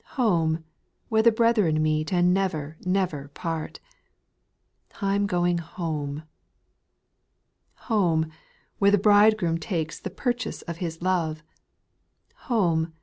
Home ! where the brethren meet And never, never part. I 'm going home. 4. Home I where the Bridegroom takes The purchase of His love : Home